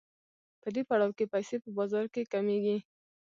په دې پړاو کې پیسې په بازار کې کمېږي